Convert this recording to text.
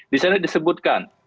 di sana disebutkan